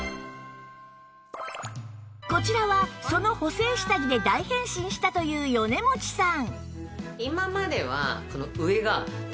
こちらはその補整下着で大変身したという米持さん